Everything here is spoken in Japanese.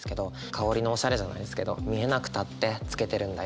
香りのオシャレじゃないですけど見えなくたってつけてるんだよ。